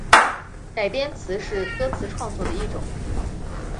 改编词是歌词创作的一种。